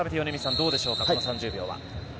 どうでしょうかこの３０秒は。